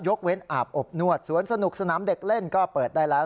เว้นอาบอบนวดสวนสนุกสนามเด็กเล่นก็เปิดได้แล้ว